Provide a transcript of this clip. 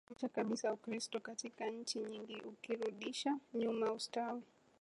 kukomesha kabisa Ukristo katika nchi nyingi ukirudisha nyuma ustawi